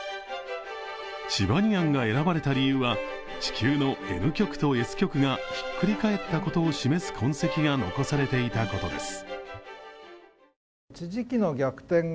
チバニアンが選ばれた理由は、地球のＮ極とＳ極がひっくり返ったことを示す痕跡が残されていたことです。